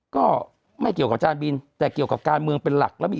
ก็ไม่เกี่ยวกับอาจารย์บินแต่เกี่ยวกับการเมืองเป็นหลักแล้วมี